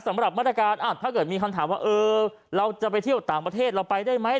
สำหรับมาตรการถ้าเกิดมีคำถามว่าเออเราจะไปเที่ยวต่างประเทศเราไปได้ไหม